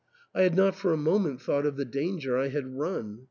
I had not for a moment thought of the danger I had run.